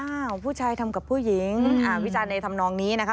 อ่าวผู้ชายทำกับผู้หญิงอ่าววิจารณ์ในทำนองนี้นะคะ